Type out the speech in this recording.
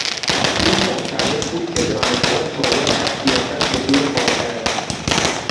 او معتقد بود که دانشگاه باید از سیاست به دور باشد.